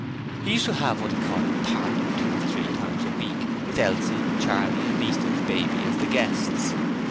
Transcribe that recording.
He used to have what he called a 'party' two or three times a week with Elsie, Charley and Easton's baby as the guests.